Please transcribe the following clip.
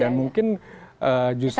dan mungkin justru